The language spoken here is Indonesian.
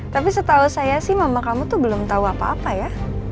tapi setahu saya sih mama kamu tuh belum tahu apa apa ya